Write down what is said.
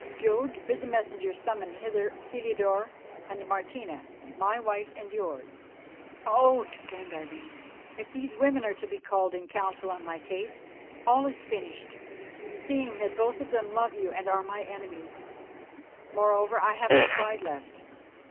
Jodd, bid the messenger summon hither Heliodore and Martina, my wife and yours." "Oh!" exclaimed Irene, "if these women are to be called in counsel on my case all is finished, seeing that both of them love you and are my enemies. Moreover, I have some pride left.